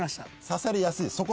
「刺されやすい」